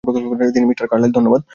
Mister Carlyle, ধন্যবাদ।